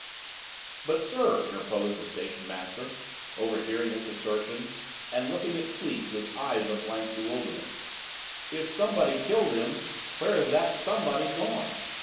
"But, sir," interposed the station master, overhearing this assertion, and looking at Cleek with eyes of blank bewilderment, "if somebody killed him, where has that 'somebody' gone?